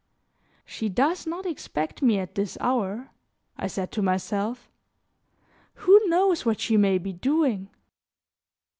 "She does not expect me at this hour," I said to myself; "who knows what she may be doing.